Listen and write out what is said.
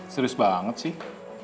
serius banget sih